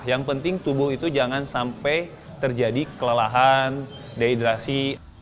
yang penting tubuh itu jangan sampai terjadi kelelahan dehidrasi